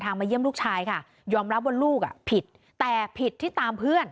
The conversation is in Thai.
มาเยี่ยมลูกชายค่ะยอมรับว่าลูกอ่ะผิดแต่ผิดที่ตามเพื่อน